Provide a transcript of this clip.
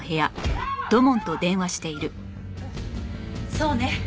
そうね。